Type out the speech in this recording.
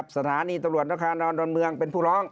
สถานีตลวจรกรานอลบินติรัญเมืองเป็นผู้ร้อง